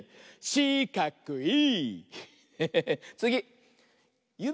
しかくい！